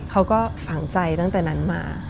เขาก็ฝังใจตั้งแต่นั้นมา